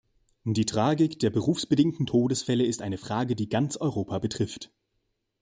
Die Tragik der berufsbedingten Todesfälle ist eine Frage, die ganz Europa betrifft.